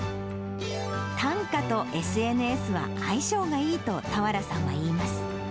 短歌とＳＮＳは相性がいいと俵さんは言います。